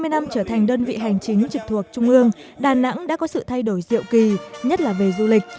hai mươi năm trở thành đơn vị hành chính trực thuộc trung ương đà nẵng đã có sự thay đổi diệu kỳ nhất là về du lịch